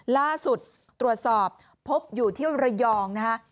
ล่าสุดตรวจสอบพบอยู่ที่ระยองนะฮะ